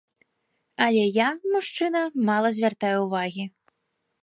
Але я, мужчына, мала звяртаю ўвагі.